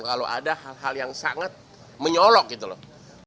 kalau ada hal hal yang sangat menyolok gitu loh